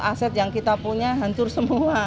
aset yang kita punya hancur semua